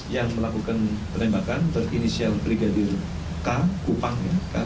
yang melakukan penembakan berinisial brigadir k kupang